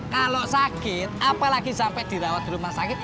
kalau sakit apalagi sampai dirawat di rumah sakit